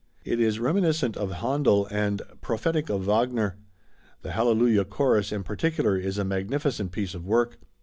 It is reminiscent of Händel and prophetic of Wagner. The Hallelujah Chorus in particular is a magnificent piece of work.